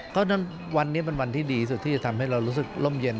ก็วันนี้มันวันที่ดีสุดที่จะทำให้เรารู้สึกโล่มเย็น